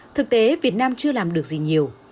thực tế việt nam chưa làm được gì nhiều